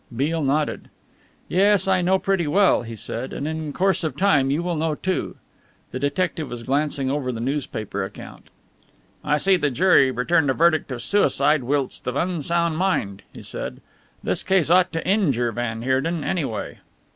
Beale nodded. "Yes, I know pretty well," he said, "and in course of time you will know, too." The detective was glancing over the newspaper account. "I see the jury returned a verdict of 'Suicide whilst of unsound mind!'" he said. "This case ought to injure van Heerden, anyway."